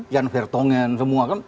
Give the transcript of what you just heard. jan vertonghen semua kan